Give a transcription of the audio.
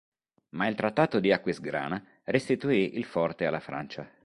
Ma il Trattato di Aquisgrana restituì il forte alla Francia.